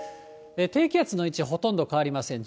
低気圧の位置、ほとんど変わりません。